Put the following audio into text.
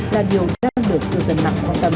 là điều đang được cư dân mạng quan tâm